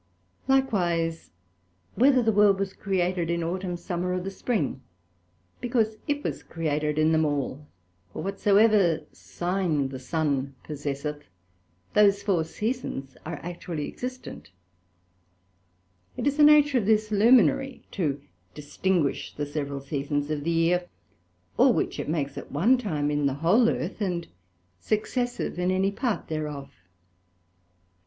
Likewise, whether the World was created in Autumn, Summer, or the Spring, because it was created in them all; for whatsoever Sign the Sun possesseth, those four Seasons are actually existent: It is the Nature of this Luminary to distinguish the several Seasons of the year, all which it makes at one time in the whole Earth, and successive in any part thereof.